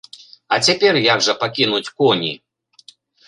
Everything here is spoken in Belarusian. А цяпер як жа пакінуць коні?